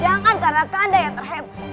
jangan karena kanjeng ratu yang terhebuk